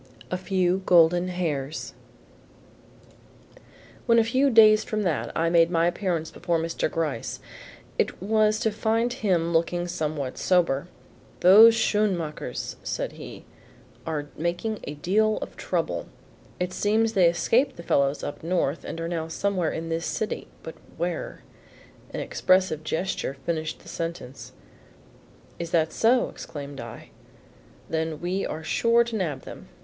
A FEW GOLDEN HAIRS When a few days from that I made my appearance before Mr. Gryce, it was to find him looking somewhat sober. "Those Schoenmakers," said he, "are making a deal of trouble. It seems they escaped the fellows up north and are now somewhere in this city, but where " An expressive gesture finished the sentence. "Is that so?" exclaimed I. "Then we are sure to nab them.